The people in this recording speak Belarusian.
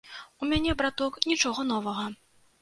У мяне браток нічога новага.